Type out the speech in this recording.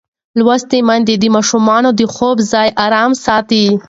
لوستې میندې د ماشومانو د خوب ځای ارام ساتي.